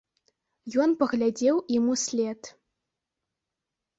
Ён паглядзеў ім услед.